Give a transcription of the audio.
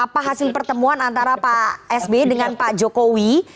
apa hasil pertemuan antara pak sby dengan pak jokowi